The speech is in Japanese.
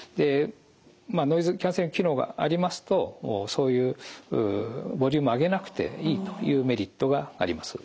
まあノイズキャンセリング機能がありますとそういうボリュームを上げなくていいというメリットがあります。